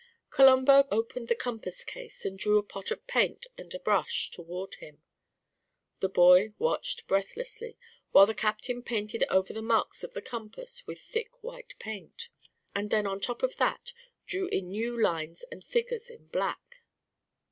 Colombo opened the compass case, and drew a pot of paint and a brush toward him. The boy watched breathlessly while the captain painted over the marks of the compass with thick white paint, and then on top of that drew in new lines and figures in black.